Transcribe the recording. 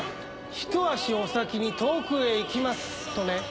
「ひと足お先に遠くへ行きます」とね。